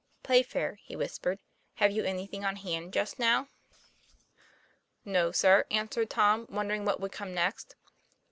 ;' Playfair," he whispered, "have you anything on hand just now?" 64 TOM PLAYFAIR. 'No, sir," answered Tom, wondering what would come next.